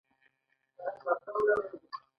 یا د ټولنیز منزلت له پلوه وي.